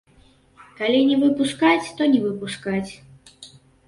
Калі не выпускаць, то не выпускаць.